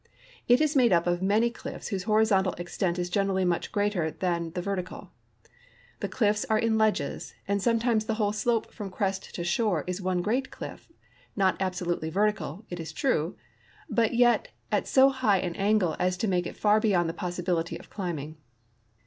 It is made up of many cliffs whose horizontal extent is generally much greater than the vertical. The cliffs are in ledges, and sometimes the whole slope from crest to shore is one great cliff, not absolutely vertical, it is true, but 3^et at so high an angle as to make it far beyond the possibility of climbing.